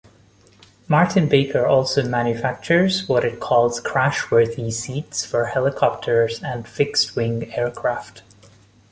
Martin-Baker also manufactures what it calls "crashworthy" seats for helicopters and fixed-wing aircraft.